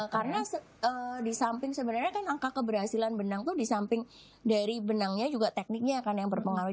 karena di samping sebenarnya kan angka keberhasilan benang tuh di samping dari benangnya juga tekniknya kan yang berpengaruh